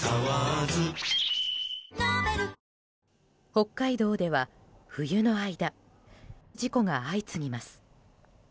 北海道では冬の間事故が相次ぎます。